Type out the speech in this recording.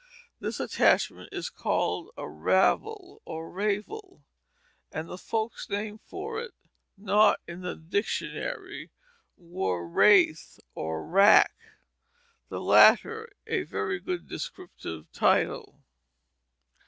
This attachment is also called a ravel or raivel; and folk names for it (not in the dictionary) were wrathe and rake; the latter a very good descriptive title.